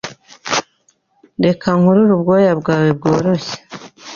Reka nkurure ubwoya bwawe bworoshye